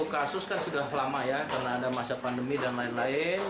sepuluh kasus kan sudah lama ya karena ada masa pandemi dan lain lain